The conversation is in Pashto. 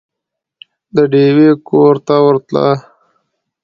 د ډېوې کور ته ورتله